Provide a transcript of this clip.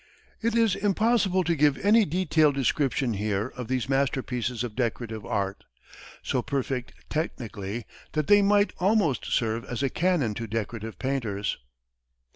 It is impossible to give any detailed description here of these masterpieces of decorative art, so perfect technically that they might almost serve as a canon to decorative painters.